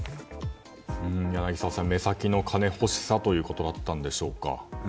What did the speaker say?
柳澤さん、目先の金欲しさだったんでしょうか。